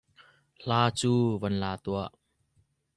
Hla cu van la tuah.